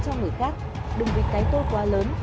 cho người khác đừng bị cái tôi quá lớn